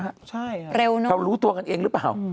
ใช่เร็วเนอะเรารู้ตัวกันเองหรือเปล่า